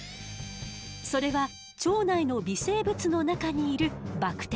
それは腸内の微生物の中にいるバクテリアの働きよ。